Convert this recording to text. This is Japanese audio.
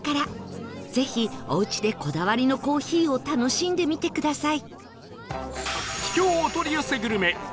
ぜひおうちでこだわりのコーヒーを楽しんでみてください